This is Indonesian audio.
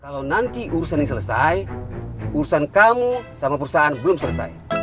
kalau nanti urusannya selesai urusan kamu sama perusahaan belum selesai